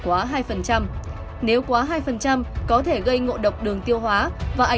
và việc mua cũng không khó khăn